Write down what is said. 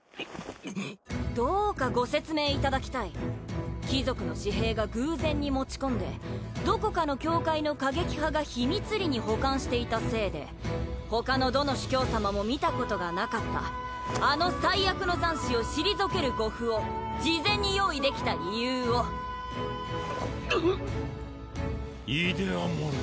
どうかご説明いただきたい貴族の私兵が偶然に持ち込んでどこかの教会の過激派が秘密裏に保管していたせいで他のどの主教様も見たことがなかったあの災厄の残滓を退ける護符を事前に用意できた理由をうっイデアモル